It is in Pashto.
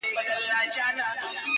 ډېـــره شناخته مي په وجود كي ده؛